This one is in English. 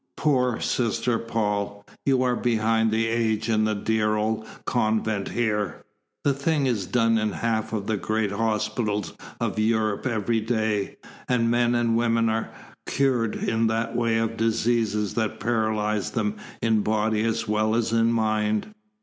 Poor Sister Paul! You are behind the age in the dear old convent here. The thing is done in half of the great hospitals of Europe every day, and men and women are cured in that way of diseases that paralyse them in body as well as in mind.